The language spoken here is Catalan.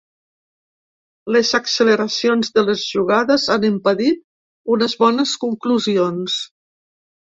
Les acceleracions de les jugades han impedit unes bones conclusions.